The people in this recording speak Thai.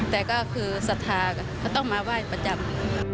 แต่ก็คือศรัทธาเขาต้องมาไหว้ประจำ